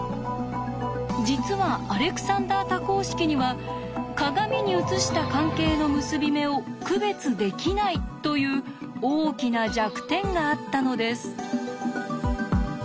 実はアレクサンダー多項式には鏡に映した関係の結び目を区別できないという大きな弱点があったのです。